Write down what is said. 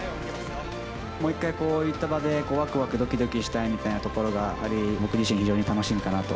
もう一回、こういった場で、わくわく、どきどきしたいみたいなところがあり、僕自身、非常に楽しみかなと。